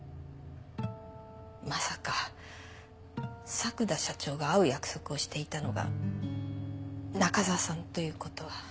まさか作田社長が会う約束をしていたのが中沢さんということは。